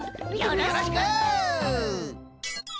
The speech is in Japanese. よろしく！